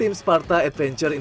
kami akan datang